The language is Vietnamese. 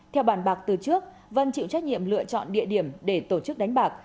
theo bàn bạc từ trước vân chịu trách nhiệm lựa chọn địa điểm để tổ chức đánh bạc